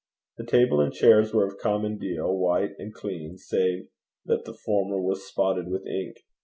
The table and chairs were of common deal, white and clean, save that the former was spotted with ink.